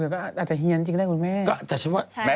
ก็อาจจะเฮียนจริงก็ได้คุณแม่